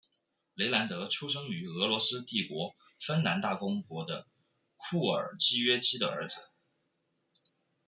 雷兰德出生于俄罗斯帝国芬兰大公国的库尔基约基的儿子。